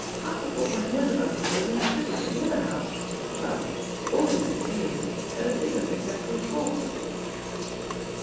"Half of what one hears about people isn't true, and the other half well, all you can say is, that it isn't exactly false."